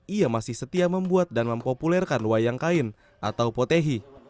ia masih setia membuat dan mempopulerkan wayang kain atau potehi